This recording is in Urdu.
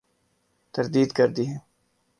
تردید کر دی ہے ۔